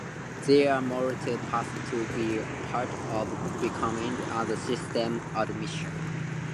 There are multiple paths to be part of becoming a system administrator.